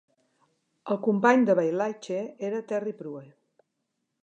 El company de Bailhache era Terry Prue.